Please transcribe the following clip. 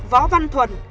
võ văn thuận